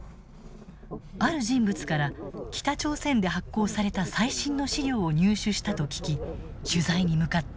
ある人物から北朝鮮で発行された最新の資料を入手したと聞き取材に向かった。